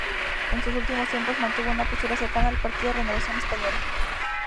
En sus últimos tiempos mantuvo una postura cercana al partido Renovación Española.